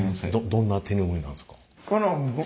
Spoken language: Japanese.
どんな手ぬぐいなんですか？